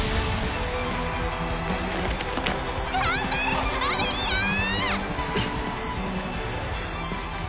頑張れアメリアー！